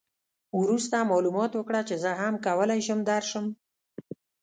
وروسته معلومات وکړه چې زه هم کولای شم درشم.